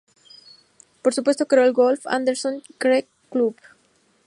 Por supuesto creó el golf "Anderson Creek Club".